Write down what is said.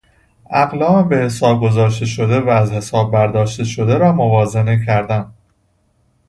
اقلام به حساب گذاشته شده و از حساب برداشت شده را موازنه کردن